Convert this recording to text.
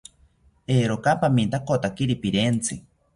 Eeroka pamitakotakiri pirentzi